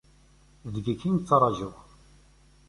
Deg-k i nettraǧu.